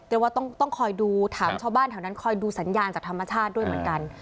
ว่าต้องคอยดูถามชาวบ้านแถวนั้นคอยดูสัญญาณจากธรรมชาติด้วยเหมือนกัน